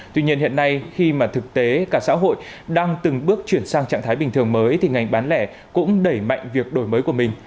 tuy nhiên hiện nay khi mà thực tế cả xã hội đang từng bước chuyển sang trạng thái bình thường mới thì ngành bán lẻ cũng đẩy mạnh việc đổi mới của mình